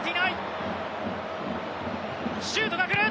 シュートが来る！